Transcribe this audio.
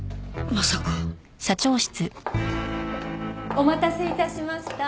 お待たせ致しました。